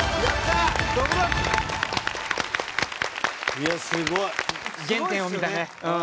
いやすごい！原点を見たね。